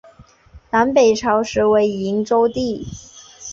南北朝时为营州地。